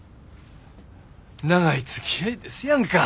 長いつきあいですやんか。